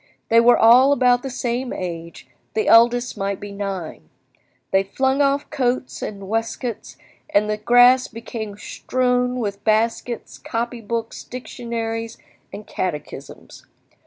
They were all about the same age, the eldest might be nine. They flung off coats and waistcoats, and the grass became strewn with baskets, copy books, dictionaries, and catechisms.